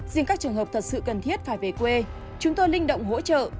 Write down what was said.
riêng các trường hợp thật sự cần thiết phải về quê chúng tôi linh động hỗ trợ